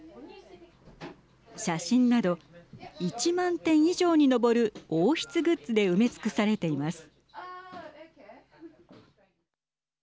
写真など、１万点以上に上る王室グッズで埋め尽くされています。